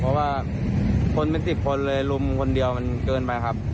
แล้วบทสายของเขาก็ได้รับความเสียหายครับ